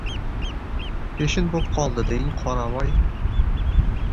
— Peshin bo‘p qoldi deng, qoravoy?